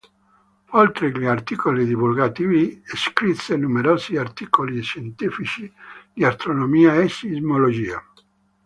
Oltre gli articoli divulgativi, scrisse numerosi articoli scientifici di astronomia e sismologia.